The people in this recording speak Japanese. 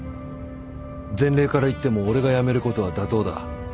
前例からいっても俺が辞めることは妥当だ。